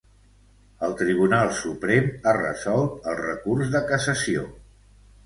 El tribunal suprem ha resolt el recurs de cassació.